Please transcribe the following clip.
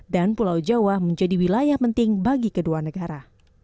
dan pulau jawa menjadi wilayah penting bagi kedua negara